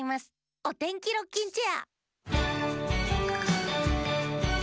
「おてんきロッキンチェア」